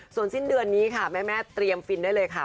ส่วนสิ้นเดือนนี้ค่ะแม่เตรียมฟินได้เลยค่ะ